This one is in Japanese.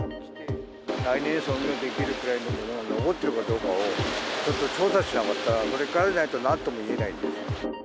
来年操業できるくらいのものが残っているかどうかをちょっと調査しなかったら、それからでないとなんとも言えないですよ。